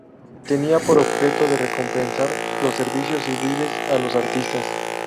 Tenía por objeto de recompensar los servicios civiles a los artistas.